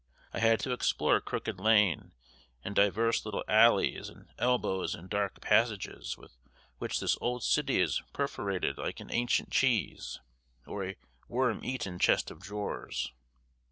I had to explore Crooked Lane and divers little alleys and elbows and dark passages with which this old city is perforated like an ancient cheese, or a worm eaten chest of drawers.